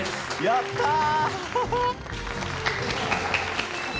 やったー。